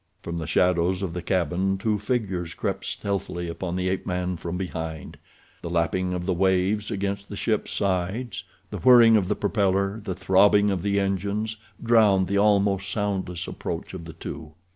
From the shadows of the cabin two figures crept stealthily upon the ape man from behind. The lapping of the waves against the ship's sides, the whirring of the propeller, the throbbing of the engines, drowned the almost soundless approach of the two.